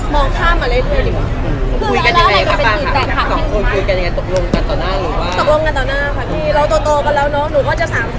มองข้ามเหเลยดิกว่า